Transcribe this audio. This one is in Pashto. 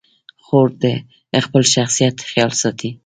خور د خپل شخصیت خیال ساتي.